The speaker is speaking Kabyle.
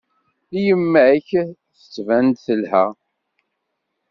Yemma-k tettban-d telha.